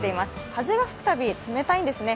風が吹くたび、冷たいんですね。